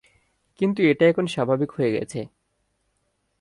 কিন্তু এটা এখন স্বাভাবিক হয়ে গেছে।